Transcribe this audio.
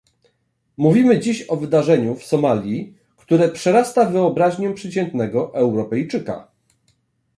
Mówimy dziś o wydarzeniu w Somalii, które przerasta wyobraźnię przeciętnego Europejczyka